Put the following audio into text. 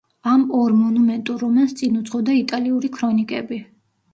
ამ ორ მონუმენტურ რომანს წინ უძღოდა „იტალიური ქრონიკები“.